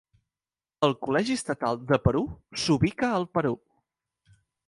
El Col·legi Estatal de Perú s'ubica al Perú.